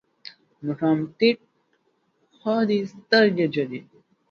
مقام ټيټ ښه دی، سترګې جګې